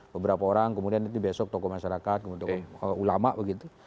beberapa orang kemudian nanti besok tokoh masyarakat kemudian tokoh ulama begitu